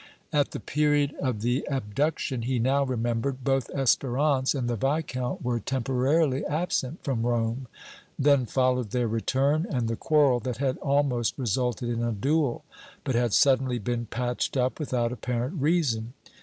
At the period of the abduction, he now remembered, both Espérance and the Viscount were temporarily absent from Rome; then followed their return and the quarrel that had almost resulted in a duel, but had suddenly been patched up without apparent reason.